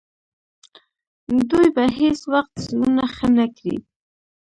دوی به هیڅ وخت زړونه ښه نه کړي.